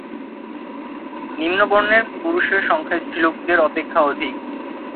নিম্নবর্ণের পুরুষের সংখ্যা স্ত্রীলোকদের অপেক্ষা অধিক।